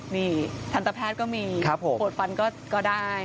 นี่ทันตแพทย์ก็มีปวดฟันก็ได้